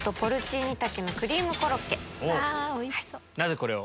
なぜこれを？